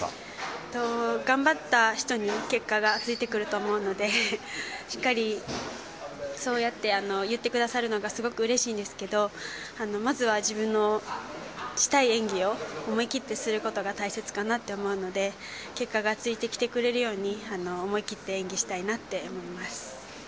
頑張った人に結果がついてくると思うのでしっかり、そうやって言ってくださるのがすごくうれしいんですけどまずは自分のしたい演技を思い切ってすることが大切かなと思うので結果がついてきてくれるように思い切って演技したいなと思います。